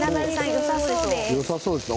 よさそうですね。